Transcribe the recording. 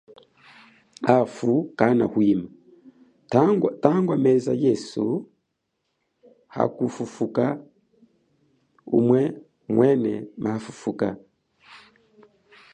Hafu kana hwima, tangwa meza yesu waze hakufa muhumwene mwena ma fufuka.